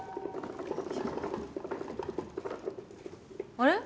あれ？